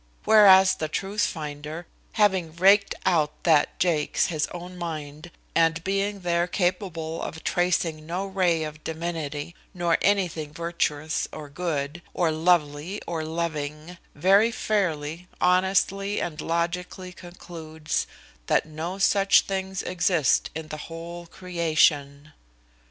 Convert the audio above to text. whereas the truth finder, having raked out that jakes, his own mind, and being there capable of tracing no ray of divinity, nor anything virtuous or good, or lovely, or loving, very fairly, honestly, and logically concludes that no such things exist in the whole creation.